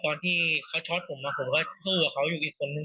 ตอนที่เขาช็อตผมผมก็สู้กับเขาอยู่อีกคนนึง